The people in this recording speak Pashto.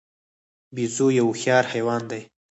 بیزو یو هوښیار حیوان دی.